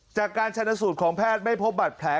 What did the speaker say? จากการชนสูตรของแพทย์ไม่พบบัตรแผล